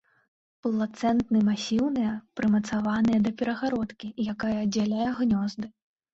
Плацэнты масіўныя, прымацаваныя да перагародкі, якая аддзяляе гнёзды.